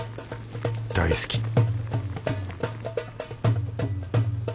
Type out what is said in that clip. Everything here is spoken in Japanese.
大好き